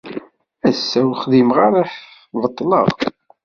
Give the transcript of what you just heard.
Ass-a, ur xdimeɣ ara, beṭleɣ